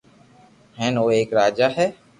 ھي او ايڪ راجا ھي